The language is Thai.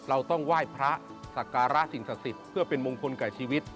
เราต้องไหว้พระศักรรณ์ราชิงสศิษฐ์เพื่อเป็นมงคลกายชีวิต